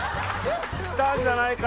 きたんじゃないか？